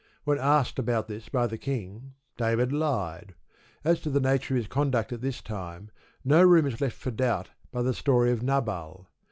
When asked about this by the king, David lied. As to the nature of his conduct at this time, no room is left for doubt by the story of Nabal.